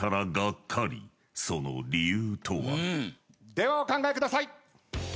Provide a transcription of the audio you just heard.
ではお考えください。